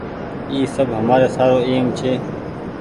اي سب همآري سارو اهم ڇي۔